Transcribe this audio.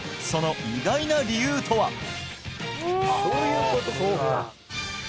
その意外な理由とは？